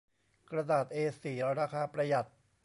กระดาษเอสี่ราคาประหยัด